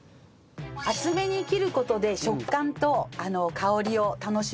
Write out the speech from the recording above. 厚めに切る事で食感と香りを楽しめる。